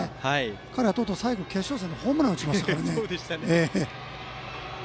彼は最後にとうとう決勝戦でホームランを打ちましたから。